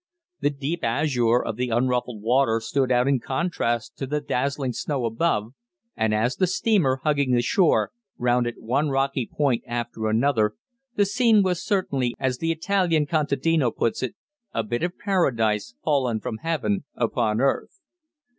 The deep azure of the unruffled water stood out in contrast to the dazzling snow above, and as the steamer, hugging the shore, rounded one rocky point after another, the scene was certainly, as the Italian contadino puts it, "a bit of Paradise fallen from heaven upon earth."